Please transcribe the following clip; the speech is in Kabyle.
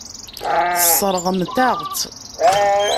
Tesseṛɣemt-aɣ-tt.